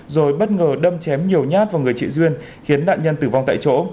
rồi bất ngờ đâm chém nhiều nhát vào người chị duyên khiến nạn nhân tử vong tại chỗ